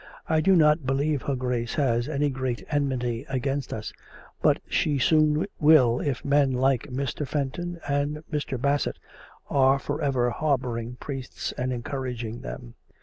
I do not believe her Grace has any great enmity against us ; but she soon will, if men like Mr. Fenton and Mr. Bassett are for ever harbouring priests and encouraging them.